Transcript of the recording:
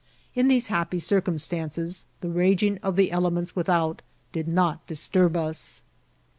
In these happy circumstances, the raging of the elements with* out did not disturb us.